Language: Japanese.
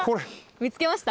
見つけました？